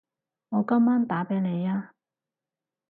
我今晚打畀你吖